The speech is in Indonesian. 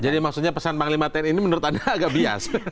jadi maksudnya pesan panglima tni ini menurut anda agak bias